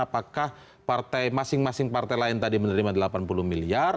apakah partai masing masing partai lain tadi menerima rp delapan puluh miliar